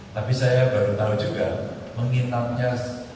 tapi saya baru tahu juga menginapnya